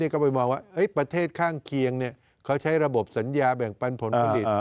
ก็ไปมองว่าประเทศข้างเคียงเขาใช้ระบบสัญญาแบ่งปันผลผลิต